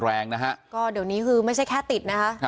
แล้วโจทย์ผมเยอะพี่